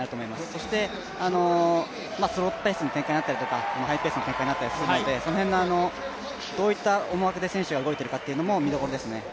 そして、スローペースの展開になったりとかハイペースの展開になったりするのでその辺のどういった思惑で選手が動いているかも見どころですね。